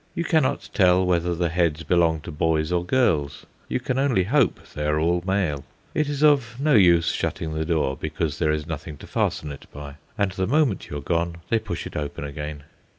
You cannot tell whether the heads belong to boys or girls; you can only hope they are all male. It is of no use shutting the door, because there is nothing to fasten it by, and the moment you are gone they push it open again.